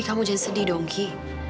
ki kamu jangan sedih dong ki